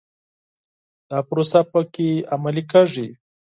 دا پروسه په کې عملي کېږي.